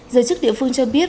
giới chức địa phương cho biết